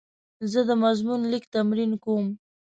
زه د مضمون لیک تمرین کوم.